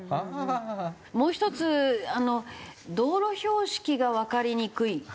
もう１つあの道路標識がわかりにくい。